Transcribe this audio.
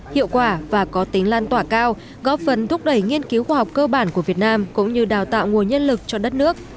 hiệu quả và có tính lan tỏa cao góp phần thúc đẩy nghiên cứu khoa học cơ bản của việt nam cũng như đào tạo nguồn nhân lực cho đất nước